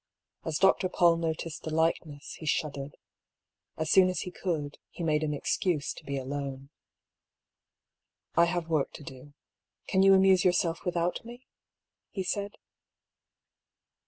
As Dr. Paull noticed the likeness he shud dered. As soon as he could, he made an excuse to be alone. " I have work to do— can you amuse yourself with out me ?" he said.